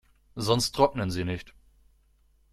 Sonst trocknen sie nicht.